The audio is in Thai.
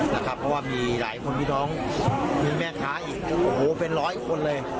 เพราะว่ามีหลายคนพี่น้องมีแม่ค้าอีกก็โอ้โหเป็นร้อยคนเลย